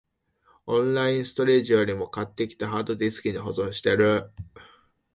オンラインストレージよりも、買ってきたハードディスクに保存してる